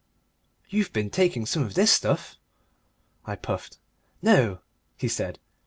"You've been taking some of this stuff," I puffed. "No," he said.